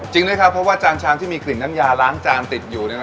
จริงนะครับเพราะว่าจานชามที่มีกลิ่นน้ำยาล้างจานติดอยู่